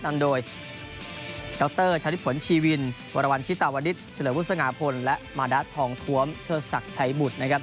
นำโดยดรชาลิผลชีวินวรวรรณชิตาวนิษฐ์เฉลิมวุษงาพลและมาดะทองทวมเชิดศักดิ์ชัยบุตรนะครับ